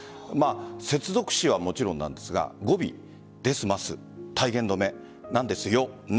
接続詞はもちろんなんですが語尾、ですます、体言止めなんですよ、ね